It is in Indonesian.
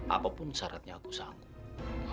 apapun syaratnya aku sanggup